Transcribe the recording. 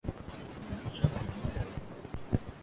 刘声元人。